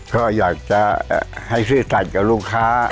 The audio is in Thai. ก็อยากจะให้สลิศสัจกับลูกค้า